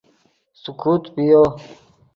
سیکوت پیو